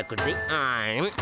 あん。